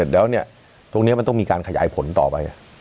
แล้วตรงนี้มันต้องมีการขยายผลต่อไป